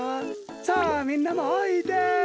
さあみんなもおいで！